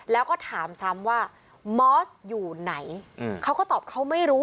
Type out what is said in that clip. แล้วก็ถามซ้ำว่ามอสอยู่ไหนเขาก็ตอบเขาไม่รู้